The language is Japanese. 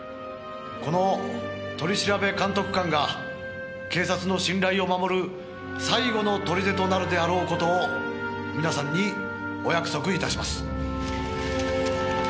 「この取調監督官が警察の信頼を守る最後の砦となるであろう事を皆さんにお約束いたします」